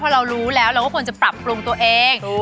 พอเรารู้แล้วเราก็ควรจะปรับปรุงตัวเอง